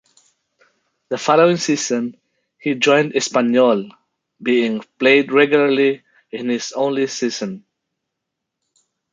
The following season, he joined Espanyol, being played regularly in his only season.